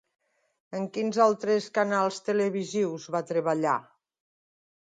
En quines altres canals televisius va treballar?